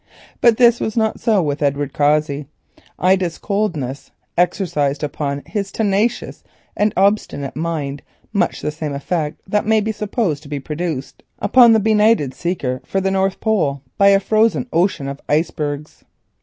But this was not so with Edward Cossey. Ida's coldness excited upon his tenacious and obstinate mind much the same effect that may be supposed to be produced upon the benighted seeker for the North Pole by the sight of a frozen ocean of icebergs.